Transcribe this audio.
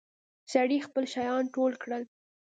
سړي خپل شيان ټول کړل.